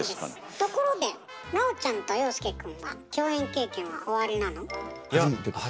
ところで南朋ちゃんと遥亮くんは共演経験はおありなの？